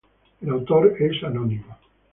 El autor es anónimo.